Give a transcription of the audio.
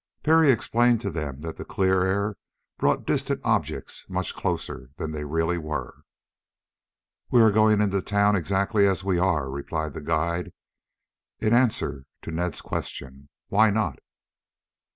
Parry explained to them that the clear air brought distant objects much closer than they really were. "We are going into town exactly as we are," replied the guide in answer to Ned's question. "Why not?"